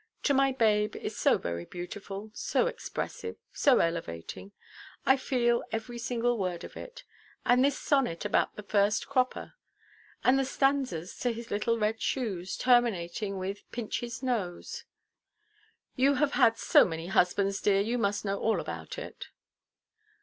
'To my Babe' is so very beautiful, so expressive, so elevating! I feel every single word of it. And this sonnet about the first cropper! And the stanzas to his little red shoes, terminating with 'pinch his nose!' You have had so many husbands, dear; you must know all about it."